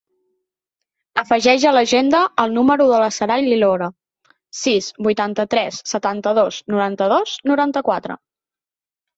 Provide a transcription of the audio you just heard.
Afegeix a l'agenda el número de la Saray Lirola: sis, vuitanta-tres, setanta-dos, noranta-dos, noranta-quatre.